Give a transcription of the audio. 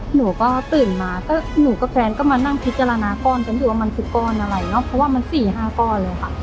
หนูก็ตื่นมาก็หนูกับแฟนก็มานั่งพิจารณาก้อนกันอยู่ว่ามันคือก้อนอะไรเนาะเพราะว่ามัน๔๕ก้อนแล้วค่ะ